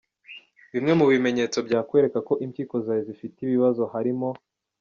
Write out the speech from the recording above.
Bimwe mu bimenyetso byakwereka ko impyiko zawe zifite ibibazo harimo:.